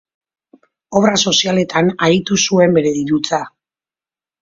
Obra sozialetan ahitu zuen bere dirutza.